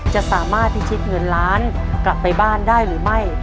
จะสามารถพิชิตเงินล้านกลับไปบ้านได้หรือไม่